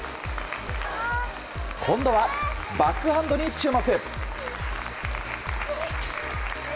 今度はバックハンドに注目。